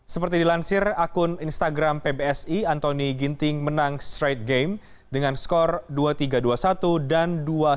seperti dilansir akun instagram pbsi antoni ginting menang straight game dengan skor dua tiga dua puluh satu dan dua satu